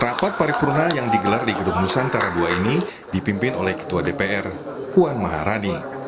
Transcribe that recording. rapat paripurna yang digelar di gedung nusantara ii ini dipimpin oleh ketua dpr puan maharani